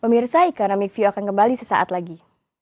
pemirsa economic view akan kembali sesaat lagi